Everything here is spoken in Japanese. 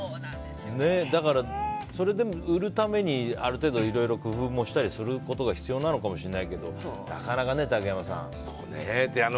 だから、それで売るためにある程度、いろいろ工夫もしたりすることが必要なのかもしれないけどなかなかね、竹山さん。